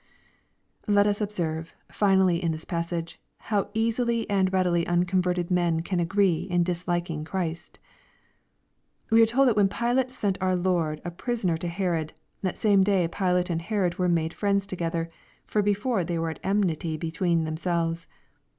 Let us observe, finally, in this passage, how easily ajid readily unconverted men can agree in disliking Christ. We are told that when Pilate sent our Lord a prisoner to Herod, " the same day Pilate and Herod were made friends together ; for before they were at enmity between themselves."